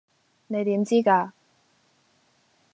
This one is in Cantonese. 你點知架?